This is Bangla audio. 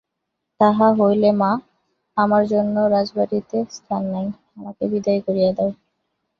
তাহা হইলে মা, আমার জন্যও রাজবাড়িতে স্থান নাই, আমাকেও বিদায় করিয়া দাও।